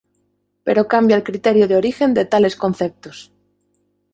Pero cambia el criterio de origen de tales conceptos.